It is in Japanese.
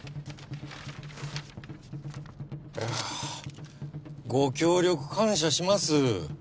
いやご協力感謝します